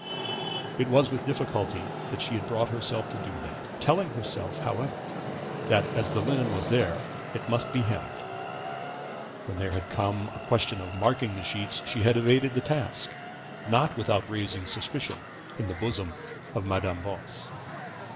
It was with difficulty that she had brought herself to do that, telling herself, however, that as the linen was there, it must be hemmed; when there had come a question of marking the sheets, she had evaded the task, not without raising suspicion in the bosom of Madame Voss.